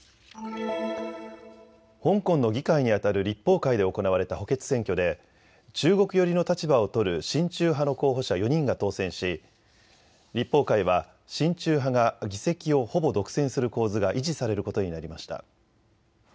香港の議会にあたる立法会で行われた補欠選挙で中国寄りの立場を取る親中派の候補者４人が当選し立法会は親中派が議席をほぼ独占する構図が維持されることになりました。